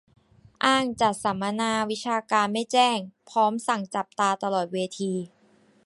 อ้างจัดสัมมนาวิชาการไม่แจ้ง พร้อมสั่งจับตาตลอดเวที